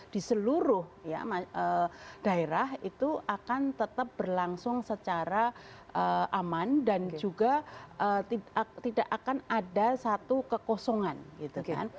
di seluruh daerah itu akan tetap berlangsung secara aman dan juga tidak akan ada satu kekosongan gitu kan